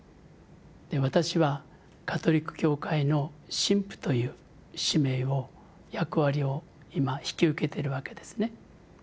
私はカトリック教会の神父という使命を役割を今引き受けてるわけですね。